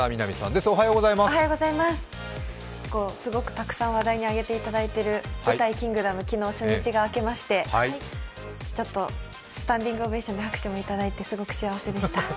すごくたくさん話題に上げていただいている舞台「キングダム」、昨日、初日があけましてスタンディングオベーションの拍手もいただいてすごく幸せでした。